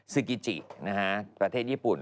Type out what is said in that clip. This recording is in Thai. ซูกิจิประเทศญี่ปุ่น